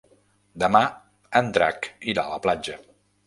Demà en Drac irà a la platja.